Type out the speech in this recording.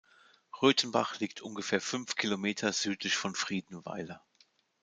Rötenbach liegt ungefähr fünf Kilometer südlich von Friedenweiler.